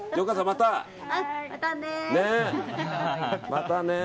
またねー。